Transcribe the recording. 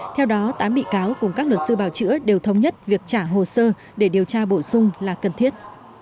theo đó tám bị cáo cùng các luật sư bào chữa đều thống nhất việc trả hồ sơ để điều tra bổ sung là cần thiết